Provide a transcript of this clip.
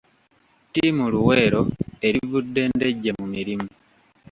Tiimu Luweero erivvudde Ndejje mu mirimu.